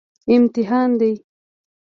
امتحان دی